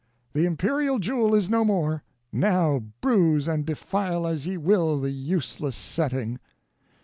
The imperial jewel is no more; now bruise and defile as ye will the useless setting."